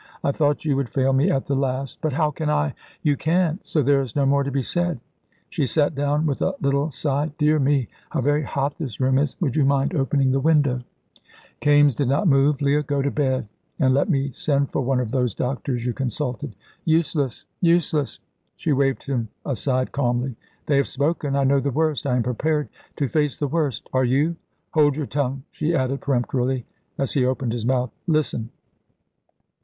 "I thought you would fail me at the last." "But how can I ?" "You can't, so there's no more to be said." She sat down with a little sigh. "Dear me, how very hot this room is! Would you mind opening the window?" Kaimes did not move. "Leah, go to bed, and let me send for one of those doctors you consulted." "Useless! useless!" She waved him aside calmly. "They have spoken. I know the worst; I am prepared to face the worst. Are you? Hold your tongue," she added peremptorily, as he opened his mouth. "Listen!"